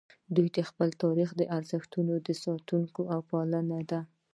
دوی د خپل تاریخ او ارزښتونو ساتونکي او پالونکي دي